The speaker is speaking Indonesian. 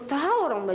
tapi apa renita